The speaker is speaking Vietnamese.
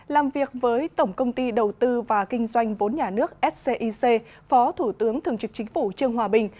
làm việc với tổng công ty đầu tư và kinh doanh vốn nhà nước scic phó thủ tướng thường trực chính phủ trương hòa bình